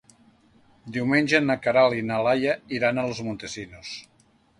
Diumenge na Queralt i na Laia iran a Los Montesinos.